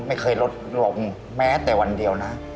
ไม่เคยลดลงแม้แต่วันเดียวนะ